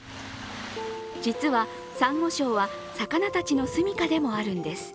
実はサンゴ礁は、魚たちの住みかでもあるんです。